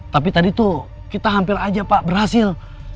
tapi tadi tuh kita hampir aja pak berhasil